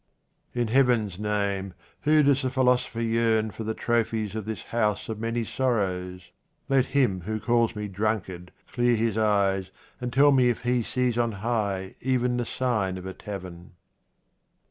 In Heaven's name, who does the philosopher yearn for the trophies of this House of Many Sorrows ? Let him who calls me drunkard clear his eyes and tell me if he sees on high even the sign of a tavern.